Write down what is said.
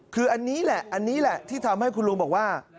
คืออันนี้แหละที่ทำให้คุณลุงบอกว่า